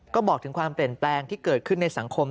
ก็บอกถึงความเปลี่ยนแปลงที่เกิดขึ้นในสังคม